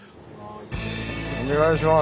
お願いします。